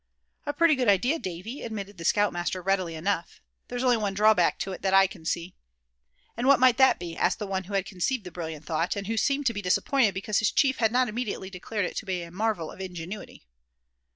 "A pretty good idea, Davy," admitted the scout master, readily enough; "there's only one drawback to it, that I can see." "And what might that be?" asked the one who had conceived the brilliant thought, and who seemed to be disappointed because his chief had not immediately declared it to be a marvel of ingenuity.